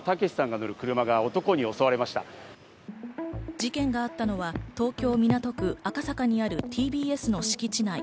事件があったのは東京・港区赤坂にあるＴＢＳの敷地内。